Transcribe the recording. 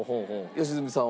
良純さんは？